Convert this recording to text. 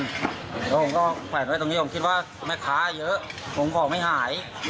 แล้วผมก็แขวนไว้ตรงนี้ผมคิดว่าแม่ค้าเยอะผมของไม่หาย